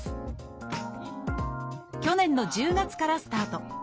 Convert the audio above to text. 去年の１０月からスタート。